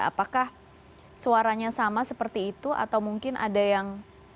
apakah suaranya sama seperti itu atau mungkin ada yang